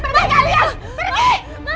pergi kalian pergi